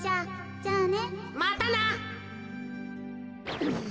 じゃあね。